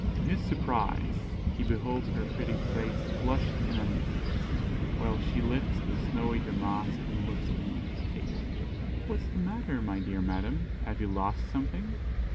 To his surprise, he beholds her pretty face flushed and uneasy, while she lifts the snowy damask and looks beneath the table. "What is the matter, my dear madam? Have you lost something?"